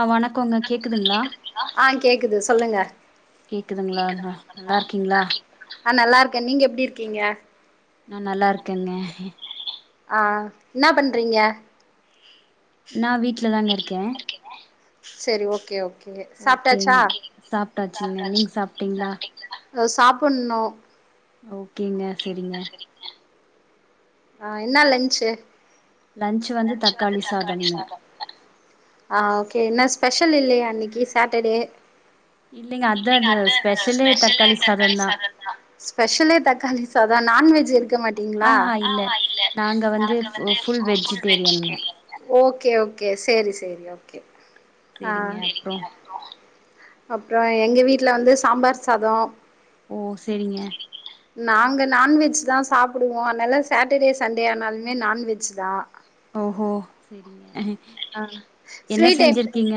ஆ வணக்கோங்க கேக்குதுங்ளா ஆ கேக்குது சொல்லுங்க கேக்குதுங்ளா ந நல்லா இருக்கீங்ளா ஆ நல்லா இருக்கே நீங்க எப்டி இருக்கீங்க நா நல்லா இருக்கேங்க ஆ என்னா பண்றீங்க நா வீட்ல தாங்க இருக்கே செரி ஓகே ஓகே சாப்டாச்சா ஓகேங் சாப்ட்டாச்சுங்க நீங்க சாப்ட்டீங்களா அ சாப்புன்னு. ஓகேங்க செரிங்க. ஆ என்னா லன்ச்சு? லன்ச்சு வந்து தக்காளி சாதோ. ஆ ஓகே என்ன ஸ்பெஷல் இல்லியா இன்னிக்கி சாட்டடே. இல்லைங்க அதா அது ஸ்பெஷலே தக்காளி சாதந்தா ஸ்பெஷல் ஏ தக்காளிஸ் தோ அதா நான்வெஜ்ஜு எடுக்க மாட்டிங்ளா? ஆஹா இல்ல நாங்க வந்து ஃபு ஃபுல் வெஜிடேரியனுங்க ஓகே ஓகே சேரி சேரி ஓகே. ஆ செரிங்க அப்றோ அப்றோ எங்க வீட்ல வந்து சாம்பார் சாதோ. ஓ செரிங்க. ங்களா நாங்க நான்வெஜ் தா சாப்புடுவோ. அதனால சேட்டடே சண்டே ஆனாலுமே நான்வெஜ் தா. ஓஹோ செரிங்க. அ என்ன ஃப்ரீ டைப் செஞ்சிருக்கீங்க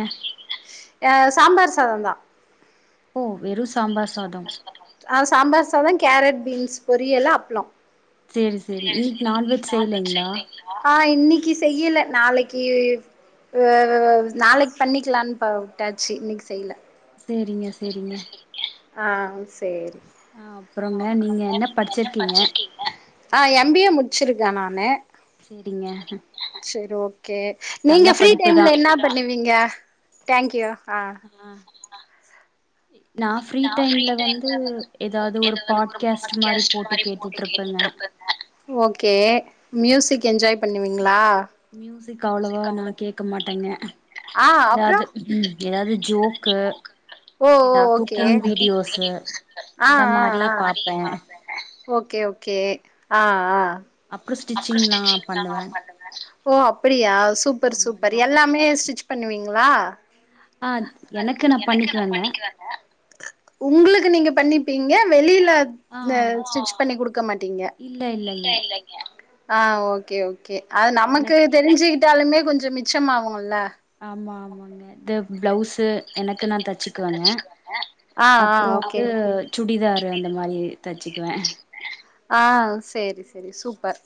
அ சாம்பார் சாதந்தா. ஓ வெறு சாம்பார் சாதம். அ சாம்பார் சாதோ கேரட் பீன்ஸ் பொரியலு அப்ளோ. சேரி சேரி. இன்னைக்கு நான்வெஜ் செய்யலைங்களா ஆ இன்னிக்கி செய்யல நாளைக்கி வ வ வவ் நாளைக் பண்ணிக்லான் பா உட்டாச்சி இன்னிக் செய்ல. சேரிங்க சேரிங்க. அ சேரி. அ அப்புறங்க நீங்க என்ன படிச்சிர்க்கீங்க? ஆ எம் பி ஏ முட்ச்சிருக்கே நானு. சேரிங்க. செர் ஓகே நல்ல நீங்க ஃபிரி படிப்பு தா டைம்ல என்னா பண்ணுவீங்க? Thank you. அ நா ஃபிரீ டைம்ல ஏதாவது [inaudible] எதாவது ஒரு பாட்காஸ்ட் பாட்கேஸ்ட் மாரி போட்டு கேட்டுட்டு இருப்பேங்க கேட்டுட்ருப்பே. ஓகே மியூசிக் என்ஜாய் பண்ணுவிங்ளா? மியூசிக் அவ்ளவா நா கேக்க மாட்டங்க. ஆ அப்றோ எதாது எதாது ஜோக்கு ஓ ஓ ஏதா ஓகே. குக்கிங் வீடியோஸு அ அந்த அ மாரி அ பாப்பே ஓகே ஓகே ஆ ஆ. அப்புறோ அப்ற ஸ்டிச்சிங்லா ஸ்டிச்சிங்ல்லா பண்ணுவே பண்ணு ஓ அப்பிடியா சூப்பர் சூப்பர். ஆமாங்க எல்லாமே ஸ்டிச் பண்ணுவிங்களா? ஆ எனக்கு நா பண்ணிக்குவங்க. உங்குளுக்கு நீங்க பண்ணிப்பீங்க வெளில இந்த ஆ ஸ்டிட்ச் பண்ணி குடுக்க மாட்டிங்க. இல்ல இல்லைங்க ஆ ஓகே ஓ. கே அது நமக்கு எனக் தெரிஞ்சுக்கிட்டாலுமே கொஞ்சோ மிச்சம்மாவுல்ல. ஆமா ஆமாங்க த பிளவுஸு எனக்கு நா தச்சுக்குவங்க ஆ ஆ அப்றோ ஓகே வந்து சுடிதாரு அந்த மாரி தச்சிக்குவே. ஆ சேரி சேரி சூப்பர்.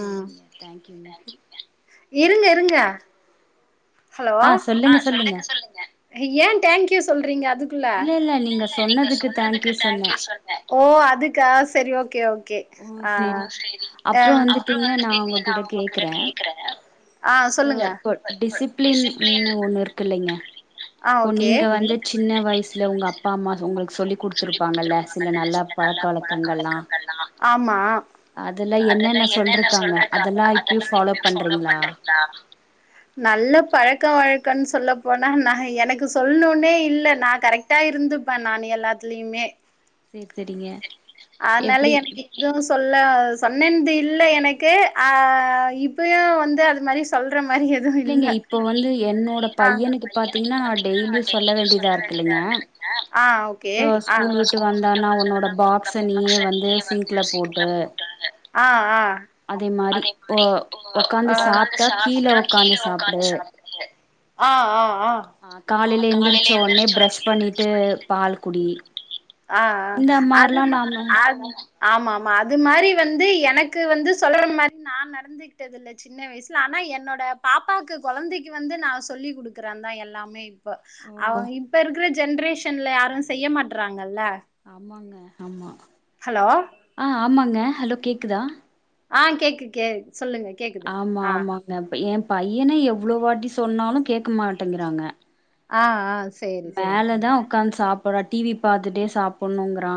ம் தேங்க்யூங்க. இருங்க இருங்க. ஹலோ ஆ சொல்லுங்க சொல்லுங்க ஏ டேங்க்யூ சொல்றீங்க அதுக் குள்ள இல்ல இல்ல நீங்க சொன்னதுக்கு தேங்க்யூ சொன்னே ஓ அதுக்கா செரி ஓகே ஓகே. ஓ ஆ சேரி அப்புறோ அ வந்துட்டுங்க நா உங்ககிட்ட கேக்குறே ஆ சொல்லுங்க. ப்ளின்னு ஒன்னு இர்க்கிள்லிங்க. ஆ இப்போ ஓகே நீங்க வந்து சின்ன வய்சுல உங்க அப்பா அம்மா உங்களுக்கு சொல்லி குடுத்துருப்பாங்கல்ல சில நல்ல பழக்க வழக்கங்கள்லா ஆமா அதெல்லா என்னென்ன சொல்றக்காங்க அதெல்லா இப்பியு ஃபாலோ பண்ற நல்லப் பழக்க வழக்கன் சொல்ல போனா நா எனக்கு சொல்னுனே இல்ல நா கரக்ட்டாயிருந்து ப்ப நானு எல்லாத்துலயுமே சேரி சேரிங்க அனால எப்டி எனக்கு இதுவு சொல்ல சொன்னேன்து இல்ல எனக்கு ஆ இப்பயு வந்து அது மாரி சொல்ற மாரி எதுவு இல்ல இல்லைங்க இப்போ வந்து என்னோட ஆ பையனுக்கு பாத்தீங்கன்னா நா டெய்லியு சொல்ல வேண்டியதா இருக்கு இல்லைங்க ஆ ஓகே இப்போ ஆ ஸ்கூல் விட்டு வந்தானா உன்னோட பாக்ஸ நீயே வந்து சிங்க்ல போட்டு ஆ அ அதே மாரி ஒ ஒக்காந்து சாப்ட்டா கீழ ஒக்காந்து சாப்டு ஆ ஆ ஆ ஆ காலைல எந்திரிச்சோனே பிரஷ் பண்ணிட்டு பால் குடி ஆ அ இந்த அது மாரிலா நாம அது ஆமா ஆமா அது மாரி வந்து எனக்கு வந்து சொல்ற மாதிரி நா நடந்துகிட்டது இல்ல சின்ன வயசுல ஆனா என்னோட பாப்பாக்கு கொழந்தைக்கு வந்து நா சொல்லி குடுக்குறந்தா எல்லாமே இப்பொ ஓ அவங்க இப்பருக்குற ஜென்ரேஷன்ல யாரு செய்ய மாட்றாங்கல்ல ஆமா ஹலோ ஆ ஆமாங்க ஹலோ கேக்குதா ஆ கேக்குக் கே சொல்லுங்க கேக்கு ஆமா ஆமாங்க எ பையன எவ்ளோ வாட்டி சொன்னாலு கேட்க மாட்டேங்கிறாங்க ஆ அ மேலதா உக்காந் சாப்பறா டி வி பாத்துட்டே சாப்பணுங்கிறா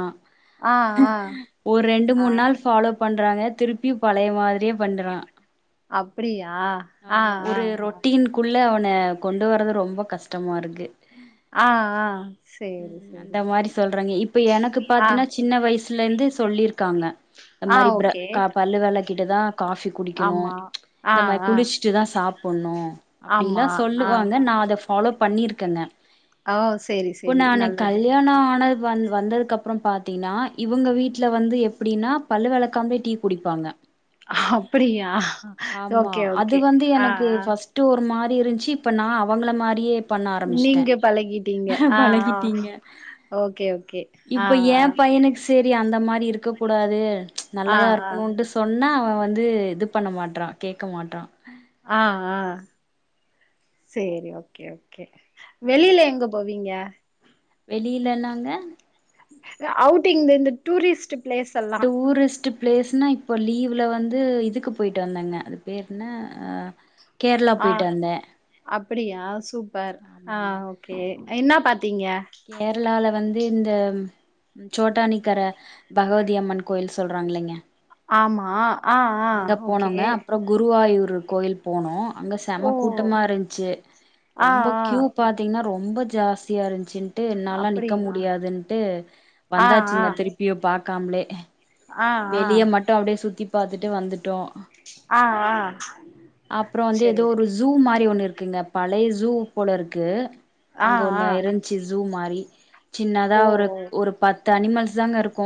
ஆ ஆ ஒரு ரெண்டு மூன் நாள் ஃபாலோப் பண்றாங்க திருப்பியு பழைய மாதிரியே பண்றா அப்டியா ஆ ஆ அ குள்ள அவன கொண்டு வரது ரொம்ப கஷ்டமாருக்கு ஆ ஆ சேரி ம் அந்த சேரி மாரி சொல்றங்க இப்ப எனக்கு ஆ பாத்தீனா ச் சின்ன வய்சுலேந்து சொல்லிருக்காங்க இந்த ஆ மாரி ப்ர ஓகே க பல்லு வெலக்கிட்டுதா காஃபி குடிக்கணு ஆமா ஆ இந்த மா ஆ குளிச்ட்டுதா சாப்புன்ணு அப்டிலா ஆமா ஆ சொல்லுவாங்க நா அத ஃபாலோ பண்ணியிருக்கன்ன ஆ சேரி ஸ் இப்ப நானு கல்யாண ஆனது வந் வந்ததுக்கப்பறொ பாத்தீங்னா இவுங்க வீட்ல வந்து எப்டின்னா பல்லு வெலக்காம்லே டீ குடிப்பாங்க அப்டியா ஆமா ஓகே அது ஓகே வந்து ஆ எனக்கு ஆ ஃபஸ் ட்டு ஒரு மாரி இருந்ச்சு இப்போ நா அவங்கள மாரியேப் நீங்க பழகிட்டீங்க ஆ ஆ பழகிட்டீங்க ஓகே ஓகே ஆ ஆ செரி அந்த மாரி இருக்கக்கூடாது ஆ நல்லதா ஆ இருக்குணுன்டு சொ சொன்னா அவ வந்து இது பண்ண மாட்றா கேக்க மாட்றா ஆ ஆ சேரி ஓகே ஓகே வெளீல எங்க போவிங்க வெளீலலாங்க அவுட்டிங் இந்தந்த டூரிஸ்ட்டு பிளேஸ்ஸெல்லா டூரிஸ்ட்டுப் பிளேஸ்னா இப்போ லீவ்ல வந்து இதுக்கு போயிட்டு வந்தங்க அது பேரென அ கேரளா போய்ட்டு வந்த அப்டியா சூப்பர் ஆ ஓகே என்ன பாத்தீங்க கேரளாவுல வந்து இந்த சோட்டானிக்கர பகவதியம்மன் கோயில் சொல்றாங் இல்லைங்க ஆமா ஆஆ ஓகே அ குருவாயூரு கோயில் போனோ அங்க செம ஓ கூட்டமா இருந்ச்சு ஆ ரொம்ப ஆ கியூ பாத்திங்னா ரொம்ப ஜாஸ்தியா இருந்ச்சின் ட்டு என்னாலா நிக்க அப்படியா முடியாதுன்ட்டு ஆ ஆ வந்தாச்சுங்க திருப்பியு பாக்காம்லே ஆ ஆ வெளிய மட்டு அப்டியே சுத்திப் பாத்துட்டு வந்துட்டோ ஆ ஆ அப்றோ வந்து சரி ஏதோ ஓகே ஒரு ஜூ மாரி ஒண்ணு இருக்குங்க பழைய ஜூ போலருக்கு ஆ அங்க ஆ ஒன்ன இருந் ச்சு ஜூ மாரி சின்னதா ஓ ஒரு ஓ ஒரு பத்து அனிமல்ஸ் தாங்க இருக்கு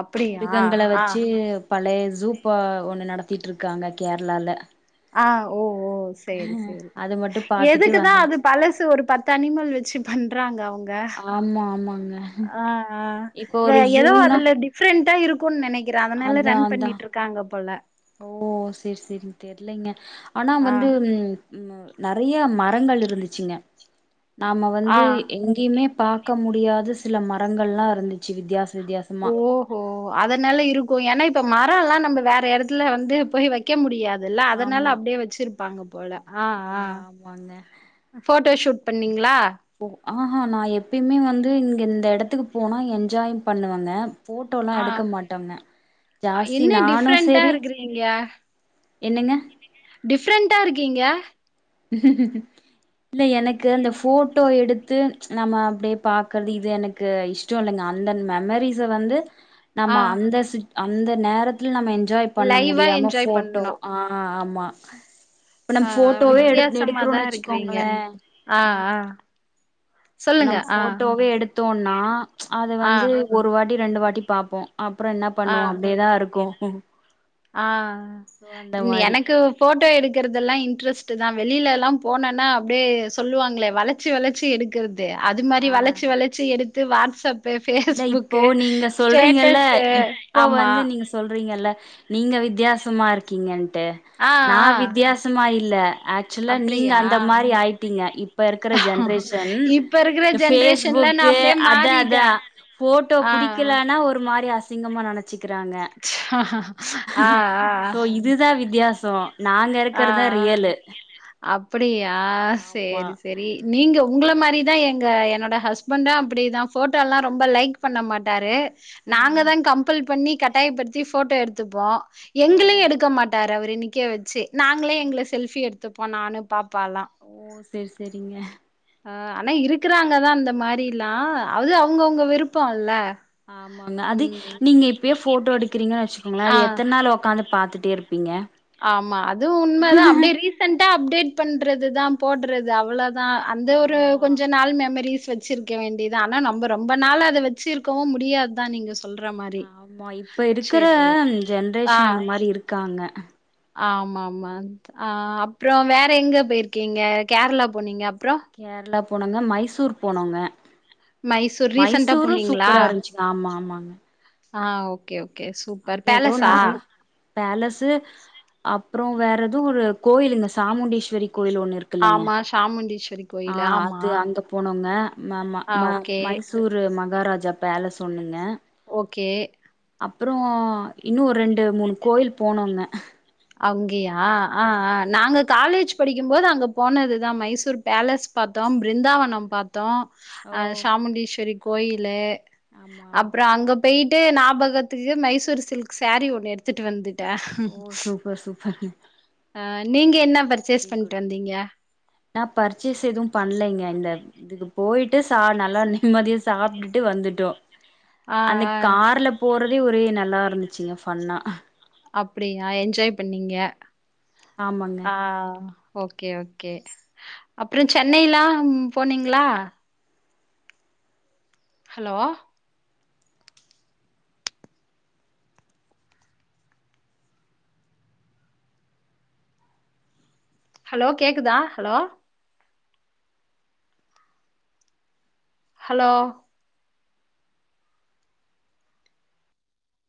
அப்படியா மிருகங்கள ஆ வச்சு அப் பழைய ஜூப்பா ஒண்ணு நடத்திட்ருக்காங்க கேரளால ஆ ஓ ஓ சேரி சேரி அது மட்டு பாத்துட்டு எதுக்குதா அது வந்தாச்சு பழசு ஒரு பத் தனிமல் வச்சு பண்றாங்க அவுங்க ஆமா ஆமாங் ஆ ஆ வே எதோ ஜூனா அதுல டிப் ஃப்ரெண்ட்டா இருக்கூன் நெனைக்கிறே அதனால அதா ரன் அதா பண்ணிட்ருக்காங்க போல ஓ செர் செரி தெர்லேங்க ஆனா ஆ வந்து ம் ம் நறையா மரங்கள் இருந்துச்சுங்க நாம ஆ வந்து எங்கிமே பாக்க முடியாது சில மரங்கள்லா இருந்துச்சி வித்யாஸ் வித்யாஸ் ஓஹோ அதனால இருக்கு எனா இப்ப மரல்லா நம்ம வேற யடத்துல வந்து போய் வெக் க்க முடியாதுல்ல அதனால ஆமா அப்டியே வெச்சிருப்பாங்க போல ஆ ஆ ஆமா ஆமாங்க ம் ஃபோட்டோ ஷூட் பண்ணீங்ளா போ ஆஹா நா எப்பயுமே வந்து இங்க இந்த இடத்துக்கு போனா என்ஜாய் பண்ணுவங்க ஃபோட்டோ லா ஆ எடுக்க மாட்டாங்க ஜாஸ்தி என்ன நானு டிஃப்ரெண்டா செரி இருக்கிறீங்க என்னெங்க டிஃப்ரெண்டா இருக்கீங்க ம்ம்ம்ம் இல்லை எனக்கு அந்த ஃபோட்டோ எடுத்து நம்ம அப்டே பாக்கற்து இது எனக் க்கு இஷ்டோ இல்லங்க அந்த மெமரீஸ வந்து ஆ நம்ம அந்த சுட் அந்த நேரத் துல் நம்ம என்ஜாய் பண்ண லைவா முடியாம என்ஜாய் ஃபோட்டோ பண்ணோ ஆ ஆமா ப்ப நம் ஆ ஃபோட்டோவே எடுக் வித்தியாசமாதா எடுக்றோனு இருக்கிறீங்க வச்சுக்கோங்களே ஆ உம் ஆ ப்ப சொல்லுங்க நம் ஆ ஃபோட்டோவே எடுத்தோனா அது ஆ வந்து ஒரு வாட்டி ரெண்டு வாட்டி பாப்போ அப்ற என்னா பண்ணுவோ அப்டேதா இருக்கு சோ அந்த உ ன் மாரி. எனக்குவ் ஃபோட்டோ எடுக்குற்தெல்லா இன்ட்ரெஸ்ட் தா வெளிலலா போனனா அப்டே சொல்லுவாங்களே வளச்சி வளச்சி எடுக்குற்த் தே அது மாரி ஆ. வளச்சி வளச்சி எடுத்து வாட்ஸ்அப் பே இல்ல இப்போ ஃபேஸ்புக்கு நீங்க சொல்றீங்கல்ல ஸ்டேட்டஸ்ஸு இப்போ ஆமா வந்து நீங்க சொல்றீங்கல்ல நீங்க வித்யாசமா இருக்கீங்கன்ட்டு ஆ நா ஆ வித்யாசமா இல்ல ஆக்சுவலா நீங்க அப்டியா அந்த மாரி ஆய்ட்டீங்க ப் இப்ப இருக்குற ஜென்ரேஷன் இப்ப இருக்கிற எ ஜென்ரேஷன்ல நா ஃபேஸ்புக்கு அப்டியே அதே மாறிட்டே அதா ஃபோட்டோ ஆ புடிக்கலானா ஒரு மாரி அசிங்கமா நெனச்சிக்கிறாங்க ஹஹஹ சோ இதுதா வித்யாசோ நாங்க ஆ இருக்கறதா ஆ ரியலு அப்படியா ஆமா சேரி செரி நீங்க உங்கள மாரி தான் எங்க என்னோட ஹஸ்பண்டு அப்படிதா ஃபோட்டோலா ரொம்ப லைக் பண்ண மாட்டாரு ஆ நாங்க தா கம்பல் பண்ணி கட்டாயப்படுத்தி ஃபோட்டோ எடுத்துப்போ ஓ எங்களையே எடுக்க மாட்டார் தவரு இன்னிக்கே வச்சி நாங்களே எங்கள செல்ஃபி எடுத்துப்போம் நானு பாப்பால்லா ஓ செர் செரிங்க ஆ அனய் இருக்குறாங்கதா அந்த மாரிலா அது அவுங்கவுங்க விருப்போல்ல ஆமாங்க அது நீங்க இப்யே ஃபோட்டோ எடுக்குறீங்க வச்சுக்கோங்களே அது ஆ எத்துன் நாள் ஒக்காந்துப் பாத்துட்டே இருப்பிங்க ஆமா அதுவு உண்மதா அப்டியே ரீசன்ட்டா அப்டேட் பண்றதுதா போட்றது அவ்ளோ தா அந்த ஒரு ஆமா கொஞ்ச நாள் மெமரிஸ் வச் வச்சிருக்க வேண்டிதா ஆனா நம்ம ரொம்ப நாளா அத வச்சிருக்கவு முடியாதுதா நீங்க சொல் ஆமா இப்ப இருக்கற ஜென்ரேஷன் அந்த மாரி இருக்காங்க ஆமா ஆமா அ அப்ற வேற எங்க போய்ருக்கிங்க கேர்ளா போனீங்க அப்றோ கேர்ளா போனோங்க மைசூர் போனோங்க மைசூர் ரீசென்ட்டா மைசூரு போனீங்களா? சூப்பரா இருந்துச்சுங்க ஆமா ஆமாங்க ஆ ஓகே ஓகே சூப்பர் அங்க ஏதோ பேலஸா நெறைய பேலஸு அப்றோ வேற எதோ ஒரு கோயிலுங்க சாமுண்டீஸ்வரி கோயில் ஒண்ணு இருக் கில்லங்க ஆமா. சாமுண்டீஸ்வரி ஆ கோயில். ஆமா. அது அங்க போனோங்க ம மா ஆ ம okay, Mysuru Maharaja palace ஒன்னுங்க ஓகே அப்றோ இன்னு ஒரு ரெண்டு மூணு கோயில் போனோங்க அங்கயா அ அ நாங்க காலேஜ் படிக்கும்போது அங்க போனதுதா மைசூர் பேலஸ் பாத்தோ பிருந்தாவன பாத் தோ ஓ ஹ் சாமுண்டீஸ்வரி கோயிலு ஆமா அப்றோ ஆமாங் அங்க போய்ட்டு ஞாபகத்துக்கு மைசூர் சில்க் சேரி ஒண்ணு எடுத்துட்டு வந்துட்டே ஓ சூப்பர் சூப்பர்ங்க ஆ நீங்க என்ன பர் வெரி குட் நா பர்ச்சேஸ் எதுவு பண்லேங்க இந்த இதுக்கு போயிட்டு சா நல்லா நிம்மதியா சாப்ட்டுட்டு வந்துட்டோ ஆ அன்னக் ஆ கார்ல போறதே ஒரே நல்லா இருந்துச்சுங்க ஃபண்ணா அப்டியா என்ஜாய் பண்ணீங்க ஆமாங்க ஆ ஓகே ஓகே அப்றோ சென்னைலா போனிங்ளா ஹலோ ஹலோ கேக்குதா ஹலோ ஹலோ